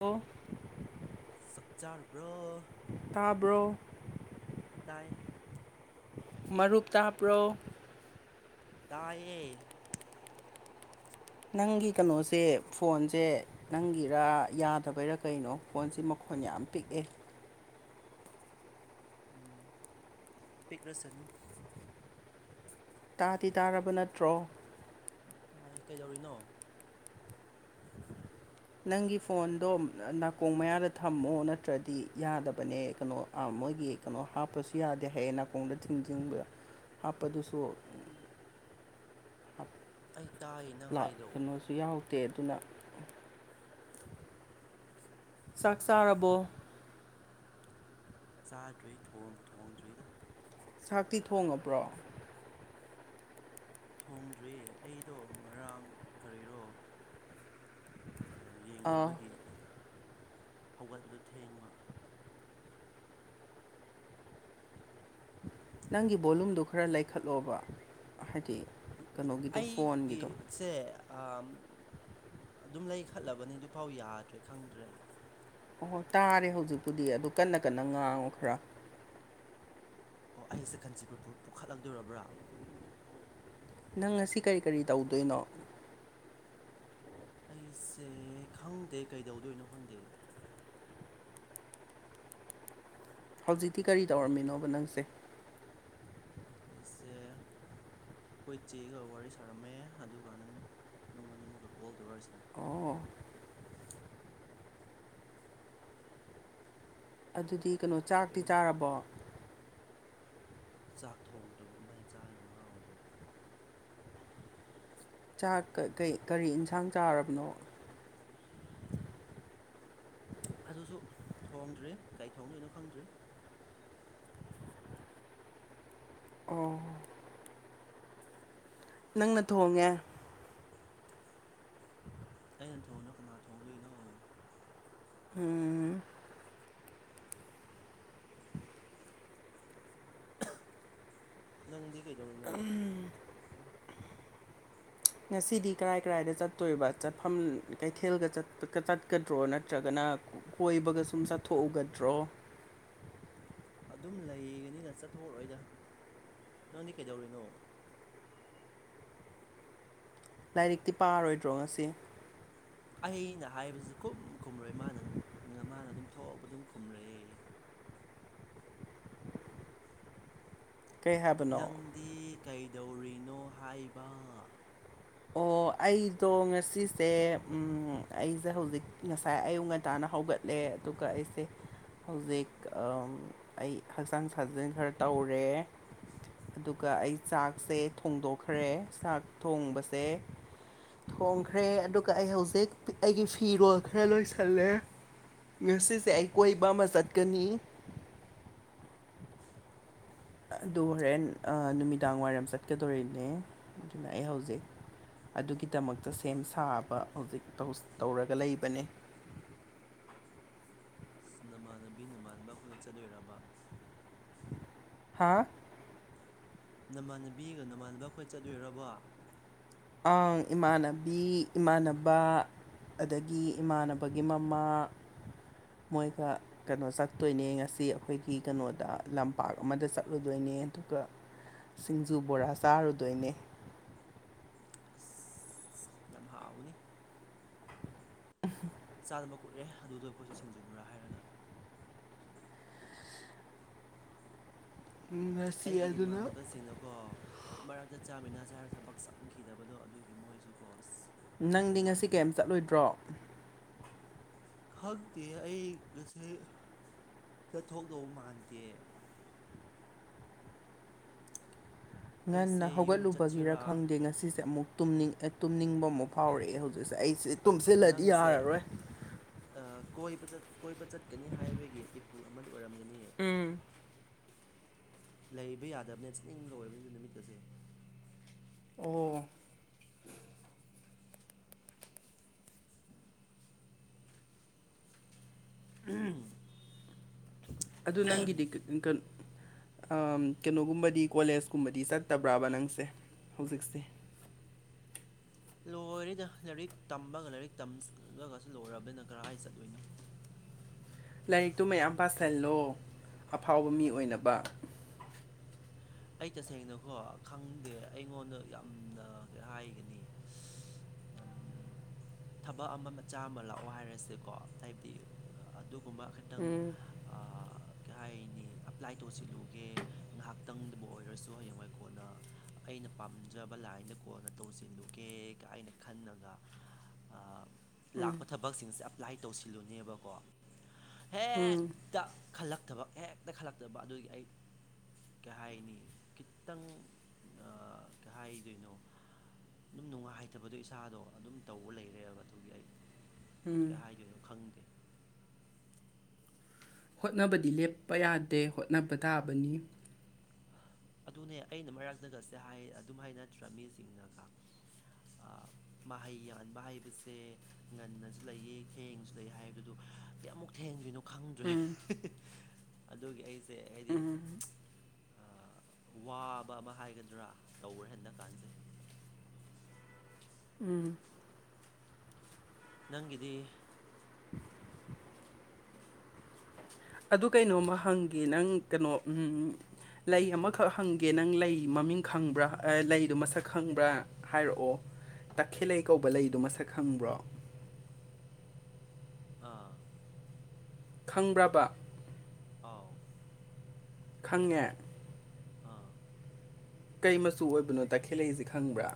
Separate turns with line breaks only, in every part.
ꯑꯣ
ꯆꯥꯛꯆꯥꯥꯔꯕ꯭ꯔꯣ
ꯇꯥꯕ꯭ꯔꯣ
ꯇꯥꯏ
ꯃꯔꯨꯞ ꯇꯥꯄ꯭ꯔꯣ
ꯇꯥꯏꯌꯦ
ꯅꯪꯒꯤ ꯀꯩꯅꯣꯁꯦ ꯐꯣꯟꯁꯦ ꯅꯪꯒꯤꯔꯥ ꯌꯥꯗꯕꯩꯔꯥ ꯀꯩꯅꯣ ꯐꯣꯟꯁꯤꯦ ꯃꯈꯣꯟ ꯌꯥꯝ ꯄꯤꯛꯑꯦ
ꯎ ꯄꯤꯛꯂꯁꯅꯨ
ꯇꯥꯗꯤ ꯇꯥꯔꯕ ꯅꯠꯇ꯭ꯔꯣ
ꯇ ꯀꯩꯗꯧꯔꯤꯅꯣ
ꯅꯪꯒꯤ ꯐꯣꯟꯗꯣ ꯅꯥꯀꯣꯡ ꯃꯌꯥꯗ ꯊꯝꯃꯣ ꯅꯠꯇ꯭ꯔꯗꯤ ꯌꯥꯗꯕꯅꯦ ꯀꯩꯅꯣ ꯃꯣꯏꯒꯤ ꯀꯩꯅꯣ ꯍꯥꯞꯄꯁꯨ ꯌꯥꯗꯦ ꯍꯌꯦꯡ ꯅꯥꯀꯣꯡꯗ ꯊꯤꯡꯖꯤꯡꯕꯗ ꯍꯥꯞꯄꯗꯨꯁꯨ ꯑ [unintelligible]
ꯑꯩ ꯇꯥꯏꯅ
ꯀꯩꯅꯣꯁꯨ ꯌꯥꯎꯗꯦ ꯑꯗꯨꯅ ꯆꯥꯛ ꯆꯥꯔꯕꯣ
ꯆꯥꯗ꯭ꯔꯦ ꯊꯣꯡꯕꯨ ꯊꯣꯡꯗ꯭ꯔꯤꯗ
ꯆꯥꯛꯇꯤ ꯊꯣꯡꯉꯕ꯭ꯔꯣ
ꯊꯣꯡꯗ꯭ꯔꯤ ꯑꯩꯗꯣ ꯉꯔꯥꯡ ꯀꯔꯤꯔꯣ
ꯑꯥ
ꯌꯦꯉꯨꯕꯒꯤ ꯍꯧꯒꯠꯄꯗꯣ ꯊꯦꯡꯕ
ꯅꯪꯒꯤ ꯕꯣꯂꯨꯝꯗꯣ ꯈꯔ ꯂꯩꯈꯠꯂꯣꯕ ꯍꯥꯏꯗꯤ ꯀꯩꯅꯣꯒꯤꯗꯣ ꯐꯣꯟꯒꯤꯗꯣ
ꯁꯦ ꯑꯗꯨꯝ ꯂꯩꯈꯠꯂꯕꯅꯤ ꯑꯗꯨꯐꯥꯎ ꯌꯥꯗ꯭ꯔꯦ ꯈꯪꯗ꯭ꯔꯦ ꯑꯩ
ꯑꯣꯍꯣꯏ ꯇꯥꯔꯦ ꯍꯧꯖꯤꯛꯄꯨꯗꯤ ꯑꯗꯨ ꯀꯟꯅ ꯀꯟꯅ ꯉꯥꯡꯉꯨ ꯈꯔ
ꯑꯣ ꯑꯩꯁꯦ ꯀꯥꯟꯆꯤꯄꯨꯔ ꯐꯨꯔ ꯄꯨꯈꯠꯂꯛꯇꯗꯣꯔꯕ꯭ꯔꯥ
ꯅꯪ ꯉꯁꯤ ꯀꯔꯤ ꯀꯔꯤ ꯇꯧꯗꯣꯏꯅꯣ
ꯑꯩꯁꯦ ꯈꯪꯗꯦ ꯀꯩꯗꯧꯗꯣꯏꯅꯣ ꯈꯪꯗꯦ
ꯍꯧꯖꯤꯛꯇꯤ ꯀꯔꯤ ꯇꯧꯔꯝꯃꯤꯅꯣꯕ ꯅꯪꯁꯦ
ꯑꯩꯁ ꯑꯩꯈꯣꯏ ꯆꯦꯒ ꯋꯥꯔꯤ ꯁꯥꯔꯝꯃꯦ ꯑꯗꯨꯀꯥꯟꯗ ꯅꯉꯣꯟ ꯅꯃꯀ ꯀꯣꯜ ꯇꯧꯔꯛꯏꯁꯤꯅꯦ
ꯑꯣ ꯑꯗꯨꯗꯤ ꯀꯩꯅꯣ
ꯑꯗꯣ
ꯆꯥꯛꯇꯤ
ꯌꯥꯝ
ꯆꯥꯔꯕꯣ
ꯆꯥꯛ ꯊꯣꯡꯗꯕ ꯀꯃꯥꯏꯅ ꯆꯥꯔꯤꯔꯣ ꯉꯥꯎꯔꯔꯣ
ꯆꯥꯛ ꯀ ꯀꯔꯤ ꯌꯦꯟꯁꯥꯡ ꯆꯥꯔꯕꯅꯣ
ꯑꯗꯨꯁꯨ ꯊꯣꯡꯗ꯭ꯔꯔꯤ ꯒꯥꯔꯤ ꯊꯣꯡꯗꯣꯏꯅꯣ ꯈꯪꯗ꯭ꯔꯔꯤ
ꯑꯣ ꯅꯪꯅ ꯊꯣꯡꯉꯦ
ꯑꯩꯅ ꯊꯣꯡꯅꯣ ꯀꯅꯥ ꯊꯣꯡꯗꯣꯏꯅꯣ
ꯎꯝ
ꯅꯪꯗꯤ ꯀꯩꯗꯧꯔꯤꯅꯣ
ꯉꯁꯤꯗꯤ ꯀꯔꯥꯏ ꯀꯔꯥꯏꯗ ꯆꯠꯇꯣꯏꯕ ꯆꯠꯐꯝ ꯀꯩꯊꯦꯜꯒ ꯆꯠꯀꯗ꯭ꯔꯣ ꯅꯠꯇ꯭ꯔꯒꯅ ꯀꯣꯏꯕꯒ ꯁꯨꯝ ꯆꯠꯊꯣꯛꯎꯒꯗ꯭ꯔꯣ
ꯑꯗꯨꯝ ꯂꯩꯒꯅꯤꯗ ꯆꯠꯊꯛꯑꯣꯣꯏꯗ ꯅꯪꯗꯤ ꯀꯩꯗꯧꯔꯤꯅꯣ
ꯂꯥꯏꯔꯤꯛꯇꯤ ꯄꯥꯔꯣꯏꯗ꯭ꯔꯣ ꯉꯁꯤ
ꯑꯩꯅ ꯍꯥꯏꯕꯁꯤꯁꯨ ꯈꯨꯝ ꯈꯨꯝꯔꯣꯏ ꯃꯥꯅ ꯃꯥꯅ ꯑꯗꯨꯝ ꯊꯣꯛꯑꯕ ꯑꯗꯨꯝ ꯈꯨꯝꯔꯛꯑꯦ
ꯀꯩ ꯍꯥꯏꯕꯅꯣ
ꯅꯪꯗꯤ ꯀꯩꯗꯧꯔꯤꯅꯣ ꯍꯥꯏꯕ
ꯑꯣ ꯑꯩꯗꯣ ꯉꯁꯤꯁꯦ ꯑꯩꯁꯦ ꯍꯧꯖꯤꯛ ꯉꯁꯥꯏ ꯑꯌꯨꯛ ꯉꯟꯇꯥꯅ ꯍꯧꯒꯠ ꯂꯩ ꯑꯗꯨꯒ ꯑꯩꯁꯦ ꯍꯧꯖꯤꯛ ꯑꯩ ꯍꯛꯆꯥꯡ ꯁꯥꯖꯦꯜ ꯈꯔ ꯇꯧꯔꯦ ꯑꯗꯨꯒ ꯑꯩ ꯆꯥꯛꯁꯦ ꯊꯣꯡꯗꯣꯛꯈ꯭ꯔꯦ ꯆꯥꯛ ꯊꯣꯡꯕꯁꯦ ꯊꯣꯡꯈ꯭ꯔꯦ ꯑꯗꯨꯒ ꯑꯩ ꯍꯧꯖꯤꯛ ꯑꯩꯒꯤ ꯐꯤꯔꯣꯜ ꯈꯔ ꯂꯣꯏꯁꯜꯂꯦ ꯃ꯭ꯌꯨꯁꯤꯛꯁꯦ ꯑꯩ ꯀꯣꯏꯕ ꯑꯃ ꯆꯠꯀꯅꯤ ꯑꯗꯨ ꯍꯣꯔꯦꯟ ꯅꯨꯃꯤꯗꯥꯡ ꯋꯥꯏꯔꯝ ꯆꯠꯀꯗꯣꯔꯤꯅꯦ ꯑꯗꯨꯅ ꯑꯩ ꯍꯧꯖꯩ ꯑꯗꯨꯒꯤꯗꯃꯛꯇ ꯁꯦꯝ ꯁꯥꯕ ꯍꯧꯖꯤꯛ ꯇꯧꯔꯒ ꯂꯩꯕꯅꯦ
ꯅꯃꯥꯟꯅꯕꯤ ꯅꯃꯥꯟꯥꯟꯕ ꯑꯩꯈꯣꯏꯗ ꯆꯠꯂꯣꯏꯔꯕ
ꯍꯥ
ꯅꯃꯥꯟꯅꯕꯤꯒ ꯅꯃꯥꯟꯅꯕ ꯑꯩꯈꯣꯏ ꯆꯠꯂꯨꯔꯕꯣ
ꯑꯥ ꯏꯃꯥꯟꯅꯕꯤ ꯏꯃꯥꯟꯅꯕ ꯑꯗꯒꯤ ꯏꯃꯥꯟꯅꯕꯒꯤ ꯃꯃꯥ ꯃꯣꯏꯒ ꯀꯩꯅꯣ ꯆꯠꯇꯣꯏꯅꯦ ꯉꯁꯤ ꯑꯩꯈꯣꯏꯒꯤ ꯀꯩꯅꯣꯗ ꯂꯝꯄꯥꯛ ꯑꯃꯗ ꯆꯠꯂꯨꯗꯣꯏꯅꯦ ꯑꯗꯨꯒ ꯁꯤꯡꯖꯨ ꯕꯣꯔꯥ ꯆꯥꯔꯨꯗꯣꯏꯅꯦ
ꯑꯁ ꯌꯥꯝ ꯍꯥꯎꯋꯅꯤ ꯆꯥꯗꯅꯕ ꯀꯨꯛꯑꯦ ꯑꯗꯨꯗꯣ ꯑꯩꯈꯣꯏꯁꯦ ꯁꯤꯡꯖꯨꯕ꯭ꯔꯥ ꯍꯥꯏꯔꯒ
ꯉꯁꯤ
ꯑꯩꯒꯤ
ꯑꯗꯨꯅ
ꯏꯃꯥꯟꯅꯕꯁꯤꯡꯅꯀꯣ ꯑꯃꯔꯛꯇ ꯆꯥꯃꯤꯟꯅꯁꯦ ꯍꯥꯏꯔꯒ ꯊꯕꯛ ꯆꯪꯈꯤꯗꯕꯗꯣ ꯑꯗꯨꯒꯤ ꯃꯣꯏꯁꯨꯀꯣ ꯑꯁ
ꯅꯪꯗꯤ ꯉꯁꯤ ꯀꯩꯝ ꯆꯠꯂꯣꯏꯗ꯭ꯔꯣ
ꯈꯪꯛꯇꯤ ꯑꯩ ꯉꯁꯦ ꯁꯤ ꯊꯣꯛꯗꯧꯕ ꯃꯥꯟꯗꯦ
ꯉꯟꯅ
ꯑꯩꯁꯦ ꯌꯨꯝ
ꯍꯧꯒꯠꯂꯨꯕꯒꯤꯔ
ꯆꯠꯁꯤꯔꯥ
ꯈꯪꯗꯦ ꯉꯁꯤꯁꯦ ꯑꯃꯨꯛꯅꯤꯡ ꯇꯨꯝꯅꯤꯡꯕ ꯑꯃꯨꯛ ꯐꯥꯎꯔꯛꯑꯦ ꯍꯧꯖꯤꯛꯁꯦ ꯑꯩꯁꯦ ꯇꯨꯝꯁꯤꯜꯂꯗꯤ
ꯅꯪꯁꯦ
ꯌꯥꯔꯔꯣꯏ
ꯀꯣꯏꯕ ꯀꯣꯏꯕ ꯆꯠꯀꯅꯤ ꯍꯥꯏꯕꯒꯤ ꯏꯍꯨꯜ ꯑꯃꯗ ꯑꯣꯏꯔꯝꯒꯅꯤ
ꯎꯝ
ꯂꯩꯕ ꯌꯥꯗꯕꯅꯦ ꯆꯠꯅꯤꯡꯕ ꯂꯣꯏꯕꯅꯤ ꯑꯗꯨ ꯅꯨꯃꯤꯠꯀꯁꯦ
ꯑꯣ
ꯎꯝ
ꯑꯗꯨ ꯅꯪꯒꯤꯗꯤ ꯀꯣ ꯀꯩꯅꯣꯒꯨꯝꯕꯗꯤ ꯀꯣꯂꯦꯖꯀꯨꯝꯕꯗꯤ ꯆꯠꯇꯕ꯭ꯔꯥꯕ ꯅꯪꯁꯦ ꯍꯧꯖꯤꯛꯁꯦ
ꯂꯣꯏꯔꯤꯗ ꯂꯥꯏꯔꯤꯛ ꯇꯝꯃꯒ ꯂꯥꯏꯔꯤꯛ ꯇꯝꯂꯒꯁꯨ ꯂꯣꯏꯔꯕꯅꯤꯅ ꯀꯗꯥꯥꯏꯏ ꯆꯠꯇꯗꯣꯏꯅꯣ
ꯂꯥꯏꯔꯤꯛꯇꯨ ꯃꯌꯥꯝ ꯄꯥꯁꯍꯜꯂꯣ ꯑꯐꯥꯎꯕ ꯃꯤ ꯑꯣꯏꯅꯕ
ꯑꯩ ꯇꯁꯦꯡꯅꯀꯣ ꯈꯪꯗꯦ ꯑꯩꯉꯣꯟꯗ ꯌꯥꯝꯅ ꯀꯩ ꯍꯥꯏꯒꯅꯤ ꯊꯕꯛ ꯑꯃ ꯃꯆꯥ ꯑꯃ ꯂꯥꯛꯑꯣ ꯍꯥꯏꯔꯁꯦꯀꯣ ꯍꯥꯏꯕꯗꯤ ꯑꯗꯨꯒꯨꯝꯕ ꯈꯤꯇꯪ
ꯎꯝ
ꯀꯩ ꯍꯥꯏꯥꯏꯅꯤ ꯑꯦꯄ꯭ꯂꯥꯏ ꯇꯧꯁꯤꯤꯜꯂꯨꯒꯦ ꯉꯥꯏꯍꯥꯛ ꯇꯪꯗꯕꯨ ꯑꯣꯏꯔꯁꯨ ꯍꯌꯦꯡꯋꯥꯏꯀꯣꯟꯅ ꯑꯩꯅ ꯄꯥꯝꯖꯕ ꯂꯥꯏꯟꯗ ꯀꯣꯟꯅ ꯇꯧꯁꯤꯜꯂꯨꯒꯦ ꯑꯩꯅ ꯈꯟꯉꯒ ꯂꯥꯛꯄ ꯊꯕꯛꯁꯤꯡꯁꯦ ꯑꯦꯞꯄ꯭ꯂꯥꯏ ꯇꯧꯁꯤꯜꯂꯨꯅꯦꯕꯀꯣ ꯍꯦꯛꯇ ꯈꯜꯂꯛꯇꯕ ꯍꯦꯛꯇ ꯈꯜꯂꯛꯇꯕ ꯑꯗꯨꯒꯤ ꯑꯩ ꯀꯩ ꯍꯥꯏꯅꯤ ꯈꯤꯇꯪ ꯀꯩ ꯍꯥꯏꯗꯣꯏꯅꯣ ꯑꯗꯨꯝ ꯅꯨꯡꯉꯥꯏꯇꯕꯗꯣ ꯏꯁꯥꯗꯣ ꯑꯗꯨꯝ ꯇꯧꯕ ꯂꯩꯔꯦꯕ ꯑꯗꯨꯒꯤ ꯑꯩ ꯀꯩ ꯍꯥꯏꯗꯣꯏꯅꯣ ꯈꯪꯗꯦ
ꯍꯣꯠꯅꯕꯗꯤ ꯂꯦꯞꯄ ꯌꯥꯗꯦ ꯍꯣꯠꯅꯕ ꯇꯥꯕꯅꯤ
ꯑꯗꯨꯅꯦ ꯑꯩꯅ ꯃꯔꯛ ꯒꯠꯁꯦ ꯑꯗꯨꯝ ꯍꯥꯏ ꯅꯠꯇ꯭ꯔꯥ ꯃꯤꯁꯤꯡꯅꯒ ꯃꯍꯩ ꯌꯥꯟꯕ ꯍꯩꯕꯁꯦ ꯉꯟꯅꯁꯨ ꯂꯩꯌꯦ ꯊꯦꯡꯁꯨ ꯂꯩ ꯍꯥꯏꯕꯗꯨꯣ ꯀꯌꯥꯃꯨꯛ ꯊꯦꯡꯗ꯭ꯔꯤꯅꯣ ꯈꯪꯗ꯭ꯔꯦ ꯑꯗꯨꯒꯤ ꯑꯩꯁꯦ ꯑꯩꯗꯤ ꯋꯥꯕ ꯑꯃ ꯍꯥꯏꯒꯗ꯭ꯔꯥ ꯇꯧꯔꯦ ꯍꯟꯟꯅ ꯀꯥꯟꯖꯩ
ꯎꯝ
ꯅꯪꯗꯤ
ꯑꯗꯨ ꯀꯩꯅꯣꯝꯃ ꯍꯪꯒꯦ ꯅꯪ ꯀꯩꯅꯣ ꯂꯩ ꯑꯃꯈꯛ ꯍꯪꯒꯦ ꯅꯪ ꯂꯩ ꯃꯃꯤꯡ ꯈꯪꯕ꯭ꯔꯥ ꯂꯩꯗꯣ ꯃꯁꯛ ꯈꯪꯕ꯭ꯔꯥ ꯍꯥꯏꯔꯛꯑꯣ ꯇꯈꯦꯜꯂꯩ ꯀꯧꯕ ꯂꯩꯗꯣ ꯃꯁꯛ ꯈꯪꯕ꯭ꯔꯣ
ꯑꯥ
ꯈꯪꯕ꯭ꯔꯕ
ꯑꯥꯎ
ꯈꯪꯉꯦ
ꯑꯥ
ꯀꯩ ꯃꯆꯨ ꯑꯣꯏꯕꯅꯣ ꯇꯈꯦꯜꯂꯛꯏꯁꯦ ꯈꯪꯕ꯭ꯔꯥ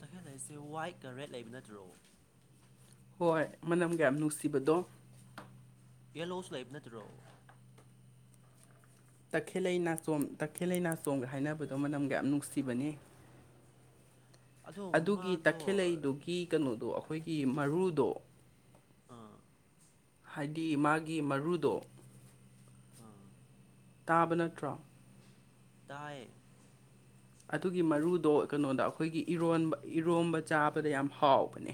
ꯇꯈꯦꯜ ꯍꯥꯏꯁꯦ ꯋꯥꯏꯠꯀ ꯔꯦꯗ ꯂꯩꯕ ꯅꯠꯇ꯭ꯔꯣ
ꯍꯣꯏ ꯃꯅꯝ ꯀꯌꯥꯝ ꯅꯨꯡꯁꯤꯕꯗꯣ
ꯌꯦꯂꯣꯁ ꯂꯩꯕ ꯅꯠꯇ꯭ꯔꯣ
ꯇꯈꯦꯜ ꯂꯩ ꯅꯥꯆꯣꯝ ꯇꯈꯦꯜ ꯂꯩ ꯅꯥꯆꯣꯝꯒ ꯍꯥꯏꯅꯕꯗꯣ ꯃꯅꯝꯒ ꯌꯥꯝ ꯅꯨꯡꯁꯤꯕꯅꯤ
ꯑꯗꯣ
ꯑꯗꯨꯒꯤ
ꯃꯥꯗꯣ
ꯇꯈꯦꯜꯂꯩꯗꯨꯒꯤ ꯀꯩꯅꯣꯗꯣ ꯑꯩꯈꯣꯏꯒꯤ ꯃꯔꯨꯗꯣ
ꯑꯥ
ꯍꯥꯏꯗꯤ ꯃꯥꯒꯤ ꯃꯔꯨꯗꯣ
ꯑꯥ
ꯇꯥꯕ ꯅꯠꯇ꯭ꯔꯣ
ꯇꯥꯏꯌꯦ
ꯑꯗꯨꯒꯤ ꯃꯔꯨꯗꯣ ꯀꯩꯅꯣꯗ ꯑꯩꯈꯣꯏꯒꯤ ꯏꯔꯣꯟꯕ ꯏꯔꯣꯝꯕ ꯆꯥꯕꯗ ꯌꯥꯝ ꯍꯥꯎꯕꯅꯦ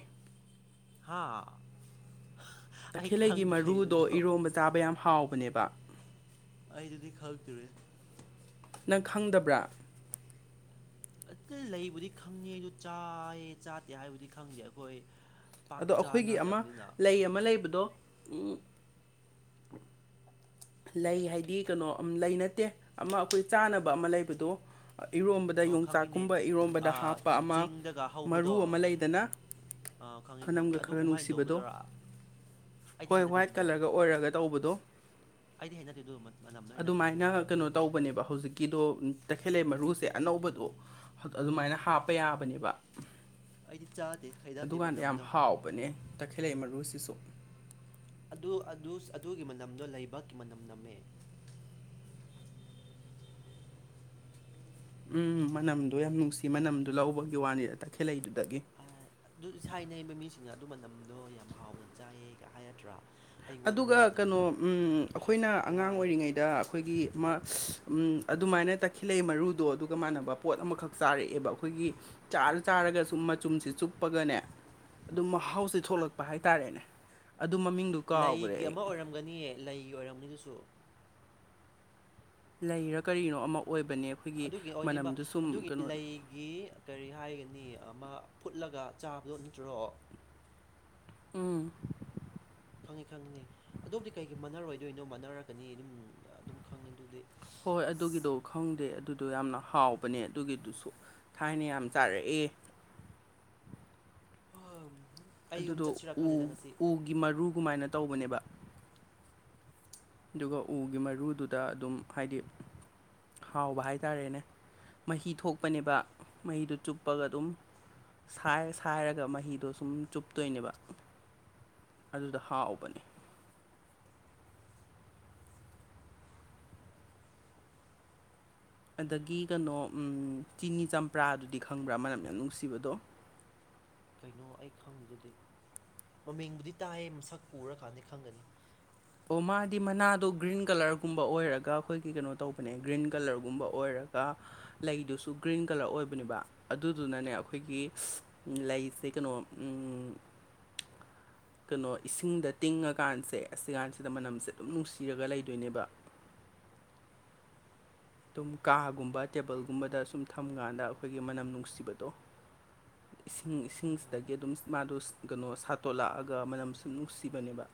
ꯍꯥꯥ ꯑꯩ
ꯇꯈꯦꯜꯂꯩꯒꯤ
ꯈꯪꯗ꯭ꯔꯦ
ꯃꯔꯨꯗꯣ
ꯑꯗꯨꯗꯣ
ꯏꯔꯣꯝꯕ ꯆꯥꯕ ꯌꯥꯝ ꯍꯥꯎꯕꯅꯦꯕ
ꯑꯩꯗꯨꯗꯤ ꯈ ꯍꯜꯇꯔꯦ
ꯅꯪ ꯈꯪꯗꯕ꯭ꯔꯥ
ꯑ ꯂꯩꯕꯨꯗꯤ ꯈꯪꯉꯦ ꯑꯗꯨ ꯆꯥꯏꯌꯦ ꯆꯥꯠꯇꯦ ꯍꯥꯏꯕꯨꯗꯤ ꯈꯪꯗꯦ ꯑꯩꯈꯣꯏ ꯄꯥꯛ
ꯑꯗꯣ ꯑꯩꯈꯣꯏꯒꯤ ꯑꯃ
ꯆꯥꯅꯗꯕꯅꯤꯅ
ꯂꯩ ꯑꯃ ꯂꯩꯕꯗꯣ ꯂꯩ ꯍꯥꯏꯗꯤ ꯀꯩꯅꯣ ꯂꯩ ꯅꯠꯇꯦ ꯑꯃ ꯑꯩꯈꯣꯏ ꯆꯥꯅꯕ ꯑꯃ ꯂꯩꯕꯗꯣ ꯏꯔꯣꯝꯕꯗ
ꯑꯧ ꯈꯪꯉꯤꯅꯦ
ꯌꯣꯡꯆꯥꯛꯀꯨꯝꯕ ꯏꯔꯣꯝꯕꯗ
ꯑꯥ
ꯍꯥꯞꯄ ꯑꯃ
ꯆꯤꯡꯗꯒ ꯍꯧꯕꯗꯣ
ꯃꯔꯨ ꯑꯃ ꯂꯩꯗꯅ
ꯑꯥ ꯈꯪꯉꯤ ꯈꯪꯉꯤ
ꯃꯅꯝꯒ ꯈꯔ
ꯑꯗꯨꯒꯨꯝꯍꯥꯏꯅ
ꯅꯨꯡꯁꯤꯕꯗꯣ
ꯇꯧꯕꯗꯔꯥ
ꯍꯣꯏ ꯋꯥ꯭ꯏꯠ ꯀꯂꯔꯒ ꯑꯣꯏꯔꯒ ꯇꯧꯕꯗꯣ
ꯑꯩꯗꯤ ꯍꯅ ꯑꯗꯨ ꯃ
ꯑꯗꯨꯃꯥꯏꯅ ꯀꯩꯅꯣ ꯇꯧꯕꯅꯦꯕ ꯍꯧꯖꯤꯛꯀꯤꯗꯣ ꯇꯈꯦꯜꯂ ꯃꯔꯨꯁꯦ ꯑꯅꯧꯕꯗꯣ ꯑꯗꯨꯃꯥꯏꯅ ꯍꯥꯞꯄ ꯌꯥꯕꯅꯦꯕ
ꯑꯩꯗꯤ ꯆꯥꯗꯦ ꯍꯩꯅꯗꯦ
ꯑꯗꯨꯀꯥꯟꯗ ꯌꯥꯝ
ꯃꯅꯝꯗꯣ
ꯍꯥꯎꯕꯅꯦ ꯇꯈꯦꯜꯂꯩ ꯃꯔꯨꯁꯤꯁꯨ
ꯑꯗꯨ ꯑꯗꯨꯒꯤ ꯃꯅꯝꯗꯣ ꯂꯩꯕꯥꯛꯀꯤ ꯃꯅꯝ ꯅꯝꯃꯦ
ꯎꯝ ꯃꯅꯝꯗꯣ ꯌꯥꯝ ꯅꯨꯡꯁꯤ ꯃꯅꯝꯗꯣ ꯂꯧꯕꯒꯤ ꯋꯥꯅꯤꯗ ꯇꯈꯦꯜꯂꯩꯗꯨꯗꯒꯤ
ꯑꯗꯨ ꯏꯁꯥꯏꯅꯩꯕ ꯃꯤꯁꯤꯡꯅ ꯑꯗꯨ ꯃꯅꯝꯗꯣ ꯌꯥꯝ ꯍꯥꯎꯅ ꯆꯥꯏꯌꯦ ꯍꯥꯏꯒꯠꯇ꯭ꯔꯥ
ꯑꯗꯨꯒ ꯀꯩꯅꯣ ꯑꯩꯈꯣꯏꯅ ꯑꯉꯥꯡ
ꯋꯥꯏꯌꯦ
ꯑꯣꯏꯔꯤꯉꯩꯗ ꯑꯩꯈꯣꯏꯒꯤ ꯑꯗꯨꯃꯥꯏꯅ ꯇꯛꯈꯤꯂꯛꯑꯦ ꯃꯔꯨꯗꯣ ꯑꯗꯨꯒ ꯃꯥꯟꯅꯕ ꯄꯣꯠ ꯑꯃꯈꯛ ꯆꯥꯔꯛꯑꯦꯕ ꯑꯩꯈꯣꯏꯒꯤ ꯆꯥꯔ ꯆꯥꯔꯒ ꯁꯨꯝ ꯃꯆꯨꯝꯁꯤ ꯆꯨꯞꯄꯒꯅꯦ ꯑꯗꯨꯝ ꯃꯍꯥꯎꯁꯦ ꯊꯣꯛꯂꯛꯄ ꯍꯥꯏꯇꯥꯥꯔꯦꯅꯦ ꯑꯗꯨ ꯃꯃꯤꯡꯗꯨ ꯀꯥꯎꯈ꯭ꯔꯦ
ꯂꯩꯒꯤ
ꯑꯩ
ꯑꯃ ꯑꯣꯏꯔꯝꯒꯅꯤꯌꯦ ꯂꯩꯒꯤ ꯑꯣꯏꯔꯝꯅꯤꯗꯨꯁꯨ
ꯂꯩꯔ ꯀꯔꯤꯅꯣ ꯑꯃ ꯑꯣꯏꯕꯅꯦꯕ
ꯑꯗꯨꯒꯤ ꯑꯣꯏꯕ ꯑꯗꯨꯒꯤ ꯂꯩꯒꯤ ꯀꯔꯤ ꯍꯥꯏꯒꯅꯤ ꯑꯃ ꯐꯨꯠꯂꯒ ꯆꯥꯕꯗꯣ ꯅꯠꯇ꯭ꯔꯣ
ꯎꯝ
ꯈꯪꯉꯤ ꯈꯪꯉꯤꯅꯤ ꯑꯗꯨꯕꯨꯗꯤ ꯀꯩꯒꯤ ꯃꯥꯟꯅꯔꯣꯏꯗꯣꯏꯅꯣ ꯃꯥꯟꯅꯔꯛꯀꯅꯤ ꯑꯗꯨꯝ ꯑꯗꯨꯝ ꯈꯪꯉꯤ ꯑꯗꯨꯗꯤ
ꯍꯣꯏ ꯑꯗꯨꯒꯤꯗꯣ ꯈꯪꯗꯦ ꯑꯗꯨꯗꯣ ꯌꯥꯝꯅ ꯍꯥꯎꯕꯅꯦ ꯑꯗꯨꯒꯤꯗꯨꯁꯨ ꯊꯥꯏꯅ ꯌꯥꯝ ꯆꯥꯔꯛꯑꯦ
ꯍꯣꯏ ꯑꯩ ꯌꯨꯝ ꯆꯠꯁꯤꯔꯛꯈꯕꯅꯤꯗ ꯉꯁꯤ
ꯒꯤ ꯃꯔꯨ ꯀꯃꯥꯏꯅ ꯇꯧꯕꯅꯦꯕ ꯑꯗꯨꯒ ꯎꯒꯤ ꯃꯔꯨꯗꯨꯗ ꯑꯗꯨꯝ ꯍꯥꯏꯗꯤ ꯍꯥꯎꯕ ꯍꯥꯏꯇꯥꯔꯦꯅꯦ ꯃꯍꯤ ꯊꯣꯛꯄꯅꯦꯕ ꯃꯍꯤꯗꯨ ꯆꯨꯞꯄꯒ ꯑꯗꯨꯝ ꯁꯥꯏꯔꯒ ꯃꯍꯤꯗꯣ ꯁꯨꯝ ꯆꯨꯞꯇꯣꯏꯅꯦꯕ ꯑꯗꯨꯗ ꯍꯥꯞꯎꯕꯅꯦ ꯑꯗꯒꯤ ꯀꯩꯅꯣ ꯆꯤꯅꯤ ꯆꯝꯄ꯭ꯔꯥꯗꯨꯗꯤ ꯈꯪꯕ꯭ꯔꯥ ꯃꯅꯝ ꯌꯥꯝ ꯅꯨꯡꯁꯤꯕꯗꯣ
ꯀꯩꯅꯣ ꯑꯩ ꯈꯪꯉꯦꯗꯨꯗꯤ ꯃꯃꯤꯡꯕꯨꯗꯤ ꯇꯥꯏꯌꯦ ꯃꯁꯛ ꯎꯔꯀꯥꯟꯗ ꯈꯪꯒꯅꯤ
ꯑꯣ ꯃꯥꯗꯤ ꯃꯅꯥꯗꯣ ꯒ꯭ꯔꯤꯟ ꯀꯂꯔꯒꯨꯝꯕ ꯑꯣꯏꯔꯒ ꯑꯩꯈꯣꯏꯒꯤ ꯀꯩꯅꯣ ꯇꯧꯕꯅꯦ ꯒ꯭ꯔꯤꯟ ꯀꯂꯔꯒꯨꯝꯕ ꯑꯣꯏꯔꯒ ꯂꯩꯗꯨꯁꯨ ꯒ꯭ꯔꯤꯟ ꯀꯂꯔ ꯑꯣꯏꯕꯅꯦꯕ ꯑꯗꯨꯗꯨꯅꯅꯦ ꯑꯩꯈꯣꯏꯒꯤ ꯂꯩꯁꯦ ꯀꯩꯅꯣ
[inaudible]
ꯀꯩꯅꯣ ꯏꯁꯤꯡꯗ ꯇꯤꯡꯉꯀꯥꯟꯁꯦ ꯑꯁꯤꯀꯥꯟꯁꯤꯦ ꯁꯤꯗ ꯃꯅꯝꯁꯦ ꯑꯗꯨꯝ ꯅꯨꯡꯁꯤꯔꯒ ꯂꯩꯗꯣꯏꯅꯦꯕ ꯑꯗꯨꯝ ꯀꯥꯒꯨꯝꯕ ꯇꯦꯕꯜꯒꯨꯝꯕꯗ ꯁꯨꯝ ꯊꯝꯀꯥꯟꯗ ꯑꯩꯈꯣꯏꯒꯤ ꯃꯅꯝ ꯅꯨꯡꯁꯤꯕꯗꯣ
[inaudible]
ꯏꯁꯤꯡ
ꯎꯝ
ꯏꯁꯤꯡꯁꯤꯗꯒꯤ ꯑꯗꯨꯝꯁ ꯃꯥꯗꯣꯁ ꯀꯩꯅꯣ ꯁꯥꯠꯇꯣꯂꯛꯑꯒ ꯃꯅꯝꯁꯨ ꯅꯨꯡꯁꯤꯕꯅꯦꯕ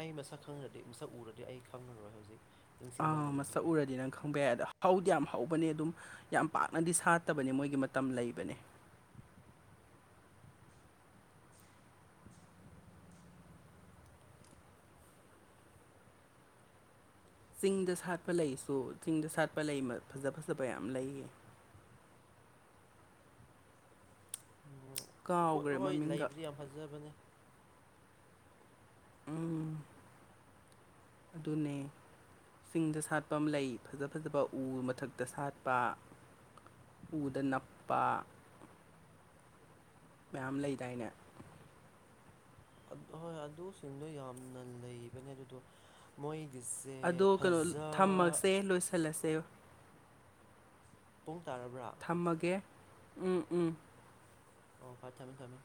ꯑꯩ ꯃꯁꯛ ꯈꯪꯉꯗꯤ ꯃꯁꯛ ꯎꯔꯗꯤ ꯑꯩ ꯈꯪꯉꯔꯣꯏ ꯍꯧꯖꯤꯛ ꯅꯤꯡꯁꯤꯡꯕ
ꯑꯥ ꯃꯁꯛ
ꯉꯝꯗ꯭ꯔꯦ
ꯎꯔꯗꯤ ꯅꯪ ꯈꯪꯕ ꯌꯥꯏ ꯑꯗ ꯍꯧꯗꯤ ꯌꯥꯝ ꯍꯧꯕꯅꯦ ꯑꯗꯨꯝ ꯌꯥꯝ ꯄꯥꯛꯅꯗꯤ ꯁꯥꯠꯇꯕꯅꯤ ꯃꯣꯏꯒꯤ ꯃꯇꯝ ꯂꯩꯕꯅꯦ ꯆꯤꯡꯗ ꯁꯥꯠꯄ ꯂꯩꯁꯨ ꯆꯤꯡꯗ ꯁꯥꯠꯄ ꯂꯩ ꯃ ꯐꯖ ꯐꯖꯕ ꯌꯥꯝ ꯂꯩꯌꯦ ꯀꯥꯎꯈ꯭ꯔꯦ
ꯑꯣꯍꯣꯏ
ꯃꯃꯤꯡꯒ
ꯂꯩꯕꯨꯗꯤ ꯌꯥꯝ ꯐꯖꯕꯅꯦ
ꯎꯝ ꯑꯗꯨꯅꯦ ꯆꯤꯡꯗ ꯁꯥꯠꯄ ꯑꯝꯂꯩ ꯐꯖ ꯐꯖꯕ ꯎ ꯃꯊꯛꯇ ꯁꯥꯠꯄ ꯎꯗ ꯅꯞꯄ ꯃꯌꯥꯝ ꯂꯩꯗꯥꯏꯅꯦ
ꯍꯣꯏ ꯑꯗꯨꯁꯤꯡꯗꯣ ꯌꯥꯝꯅ ꯂꯩꯕꯅꯦ ꯑꯗꯨꯗꯣ ꯃꯣꯏꯒꯤꯁꯦ ꯐꯖ
ꯑꯦ ꯂꯣꯏꯁꯤꯜꯂꯁꯦ
ꯄꯨꯡ ꯇꯥꯔꯕ꯭ꯔꯥ
ꯊꯝꯃꯒꯦ ꯎꯝ ꯎꯝ
ꯑꯣ ꯐꯔꯦ ꯊꯝꯃꯦ ꯊꯝꯃꯦ